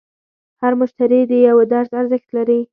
هر مشتری د یوه درس ارزښت لري.